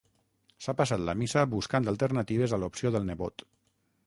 S'ha passat la missa buscant alternatives a l'opció del nebot.